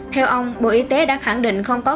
theo ông bộ y tế đã khẳng định không có